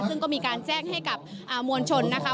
ซึ่งก็มีการแจ้งให้กับมวลชนนะคะ